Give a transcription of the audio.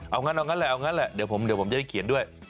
เอางั้นแหละเดี๋ยวผมจะได้เขียนด้วย